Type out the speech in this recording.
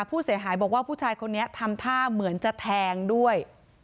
ผู้เสียหายบอกว่าผู้ชายคนนี้ทำท่าเหมือนจะแทงด้วย